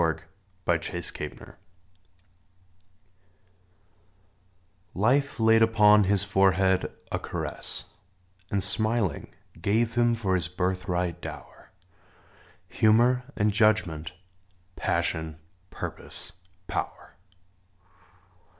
EDMUND CLARENCE STEDMAN T IFE laid upon his forehead a caress, And, smiling, gave him for his birthright dower, Humor and judgment, passion, purpose, power.